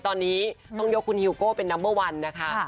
ตอนนี้ต้องยกคุณฮิวโก้เป็นนัมเบอร์วันนะคะ